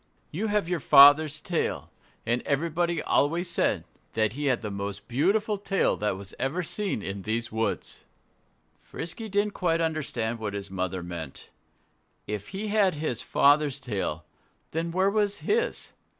"You have your father's tail. And everybody always said that he had the most beautiful tail that was ever seen in these woods." Frisky didn't quite understand what his mother meant. If he had his father's tail, then where was his?